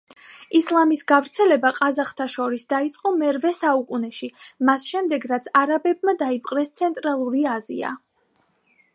ისლამის გავრცელება ყაზახთა შორის დაიწყო მერვე საუკუნეში, მას შემდეგ რაც არაბებმა დაიპყრეს ცენტრალური აზია.